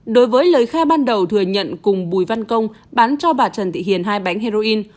đối với lời khai ban đầu thừa nhận cùng bùi văn công bán cho bà trần thị hiền hai bánh heroin